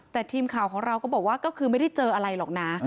แต่ทีมข่าวของเราก็บอกว่าก็คือไม่ได้เจออะไรหรอกนะ